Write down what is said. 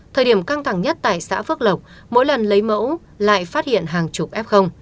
thời điểm căng thẳng nhất tại xã phước lộc mỗi lần lấy mẫu lại phát hiện hàng chục f